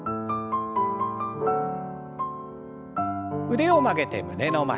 腕を曲げて胸の前。